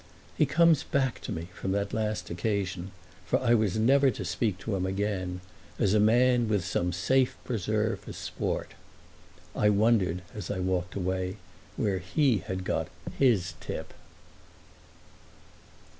He comes back to me from that last occasion—for I was never to speak to him again—as a man with some safe preserve for sport. I wondered as I walked away where he had got his tip.